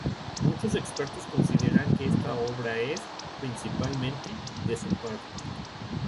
Muchos expertos consideran que esta obra es, principalmente, de su padre.